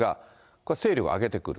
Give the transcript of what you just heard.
これは勢力を上げてくる？